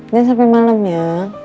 dan sampai malem ya